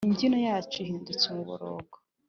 Imbyino yacu ihindutse umuborogo.